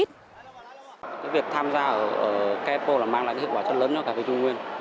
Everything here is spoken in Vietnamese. cá expo mang lại hiệu quả chất lớn cho cà phê trung nguyên